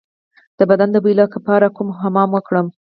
د بدن د بوی لپاره کوم حمام وکړم؟